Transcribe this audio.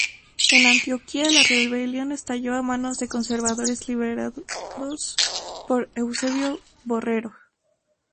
En Antioquia la rebelión estalló a manos de conservadores liderados por Eusebio Borrero.